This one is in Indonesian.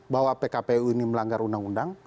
bahwa pkpu ini melanggar undang undang